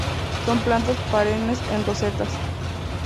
Son plantas perennes en rosetas.